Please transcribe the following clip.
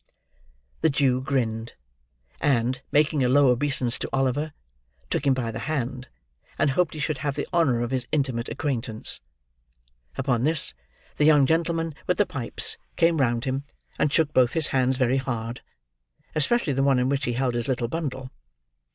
The Jew grinned; and, making a low obeisance to Oliver, took him by the hand, and hoped he should have the honour of his intimate acquaintance. Upon this, the young gentleman with the pipes came round him, and shook both his hands very hard—especially the one in which he held his little bundle.